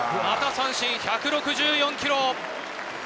また三振、１６４キロ。